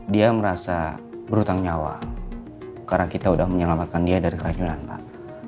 dia merasa berhutang nyawa karena kita sudah menyelamatkan dia dari keracunan pak